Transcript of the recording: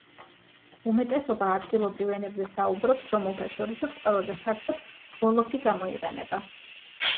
უმეტესობა ადგილობრივ ენებზე საუბრობს, რომელთა შორისაც ყველაზე ფართოდ ვოლოფი გამოიყენება.